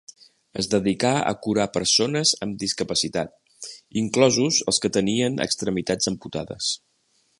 Es dedicà a curar persones amb discapacitat, inclosos els que tenien extremitats amputades.